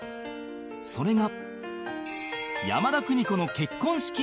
それが